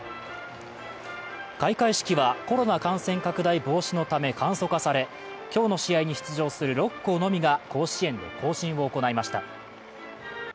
開会式はコロナ感染拡大防止のため簡素化され今日の試合に出場する６校のみが甲子園で行進を行いました。